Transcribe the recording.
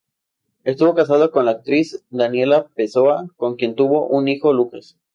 Estuvo casado con la actriz Daniela Pessoa, con quien tuvo un hijo, Lucas.